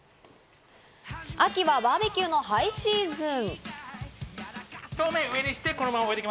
秋はバーベキューのハイシーズン。